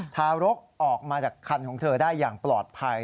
ทารกออกมาจากคันของเธอได้อย่างปลอดภัย